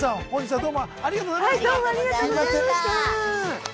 はいどうもありがとうございました！